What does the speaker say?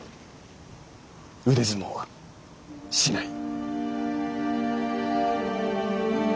腕相撲はしない。